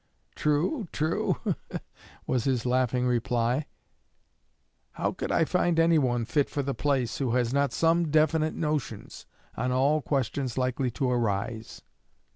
'True, true,' was his laughing reply; 'how could I find anyone, fit for the place, who has not some definite notions on all questions likely to arise?'"